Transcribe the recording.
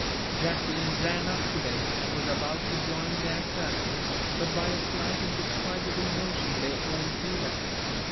Jacqueline ran up to them, and was about to join their circle; but by a slight, indescribable motion, they all drew back.